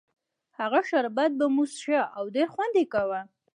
هغه شربت به مو څښه او ډېر خوند یې کاوه.